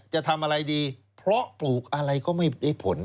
จะทำอะไรดีเพราะปลูกอะไรก็ไม่ได้ผล